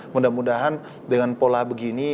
mudah mudahan dengan pola begini